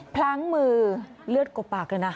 พลั้งมือเลือดกบปากเลยนะ